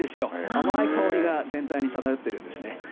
甘い香りが全体に漂ってるんですね。